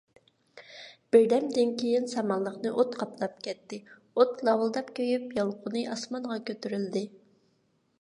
بىردەمدىن كېيىن سامانلىقنى ئوت قاپلاپ كەتتى، ئوت لاۋۇلداپ كۆيۈپ، يالقۇنى ئاسمانغا كۆتۈرۈلدى.